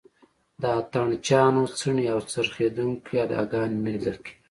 د اتڼ چیانو څڼې او څرخېدونکې اداګانې نه لیدل کېږي.